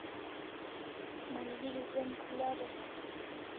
Malgeri krom khul araw